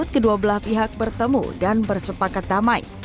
kedua belah pihak bertemu dan bersepakat damai